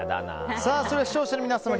それでは視聴者の皆さん